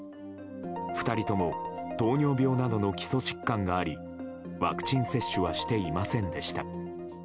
２人とも糖尿病などの基礎疾患がありワクチン接種はしていませんでした。